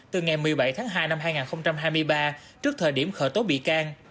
từ ngày một mươi bảy tháng hai năm hai nghìn hai mươi ba trước thời điểm khởi tố bị can